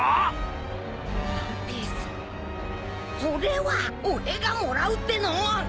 それは俺がもらうっての。